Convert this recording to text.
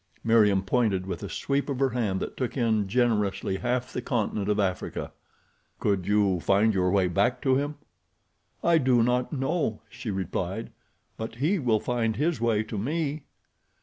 Meriem pointed with a sweep of her hand that took in, generously, half the continent of Africa. "Could you find your way back to him?" "I do not know," she replied; "but he will find his way to me."